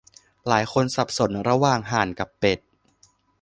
หลายคนสับสนระหว่างห่านกับเป็ด